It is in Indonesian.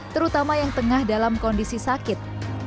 terutama yang tengah dalam kondisi sakit